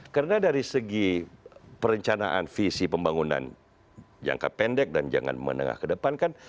karena dari segi perencanaan visi pembangunan jangka pendek dan jangan menengah ke depan kan